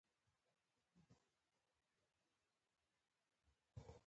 په رښتني ډول بیان شوي دي چې کله یو څوک کوم